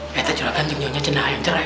teteh juragan juga punya jendela yang cerai